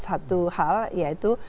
satu hal yaitu